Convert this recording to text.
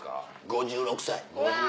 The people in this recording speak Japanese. ５６歳。